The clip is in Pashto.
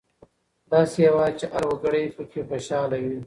داسې هېواد چې هر وګړی پکې خوشحاله وي.